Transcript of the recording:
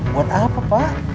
buat apa pak